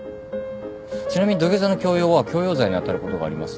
ちなみに土下座の強要は強要罪に当たることがあります。